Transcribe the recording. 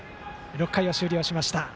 ６回終了しました。